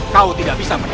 kau tidak bisa meniru